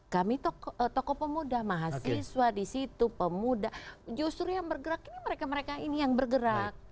kami tokoh pemuda mahasiswa di situ pemuda justru yang bergerak ini mereka mereka ini yang bergerak